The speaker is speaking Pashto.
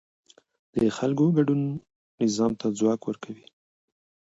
د خلکو ګډون نظام ته ځواک ورکوي